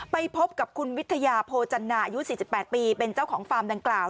ไปพบกับคุณวิทยาโพจันนาอายุ๔๘ปีเป็นเจ้าของฟาร์มดังกล่าว